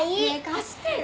貸してよ。